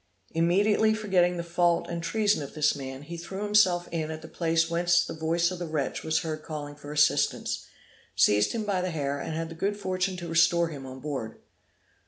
Immediately forgetting the fault and treason of this man, he threw himself in at the place whence the voice of the wretch was heard calling for assistance, seized him by the hair, and had the good fortune to restore him on board.